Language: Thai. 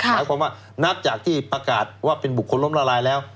หมายความว่านับจากที่ประกาศว่าเป็นบุคคลล้มละลายแล้ว